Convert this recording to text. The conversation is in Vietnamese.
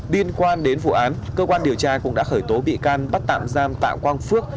liên quan đến vụ án cơ quan điều tra cũng đã khởi tố bị can bắt tạm giam tạ quang phước